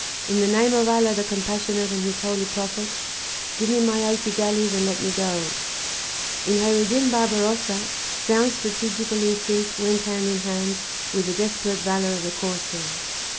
In the name of Allah the compassionate and his holy Prophet give me my eighty galleys and let me go." In Kheyr ed Din Barbarossa sound strategical instinct went hand in hand with the desperate valor of the corsair.